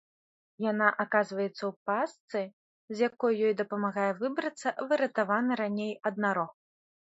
Яна аказваецца ў пастцы, з якой ёй дапамагае выбрацца выратаваны раней аднарог.